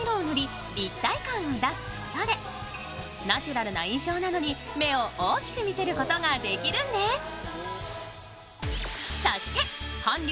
ナチュラルな印象なのに目を大きく見せることができるんです。